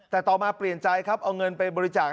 แต่ต่อมาเปลี่ยนใจครับเอาเงินไปบริจาค